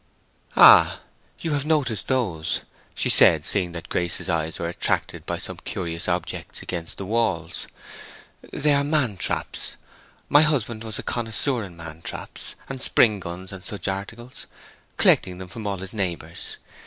"Ah! you have noticed those," she said, seeing that Grace's eyes were attracted by some curious objects against the walls. "They are man traps. My husband was a connoisseur in man traps and spring guns and such articles, collecting them from all his neighbors.